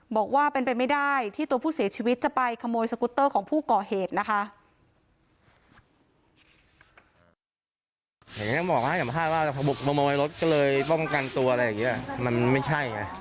บอกว่าเป็นไปไม่ได้ที่ตัวผู้เสียชีวิตจะไปขโมยสกุตเตอร์ของผู้ก่อเหตุนะคะ